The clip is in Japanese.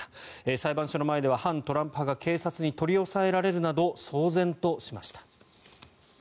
裁判所の前では反トランプ派が警察に取り押さえられるなど騒然としました。